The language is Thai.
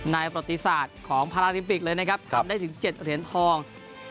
ประติศาสตร์ของพาราลิมปิกเลยนะครับทำได้ถึง๗เหรียญทอง